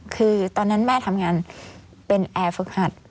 คือตอนนั้นแม่ทำงานเป็นแอร์ฝึกหัด